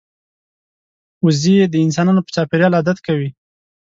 وزې د انسان په چاپېریال عادت کوي